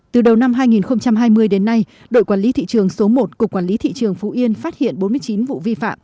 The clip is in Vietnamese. từ đầu năm hai nghìn hai mươi đến nay đội quản lý thị trường số một cục quản lý thị trường phú yên phát hiện bốn mươi chín vụ vi phạm